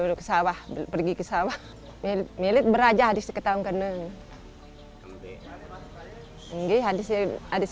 ndek kuah sama sekali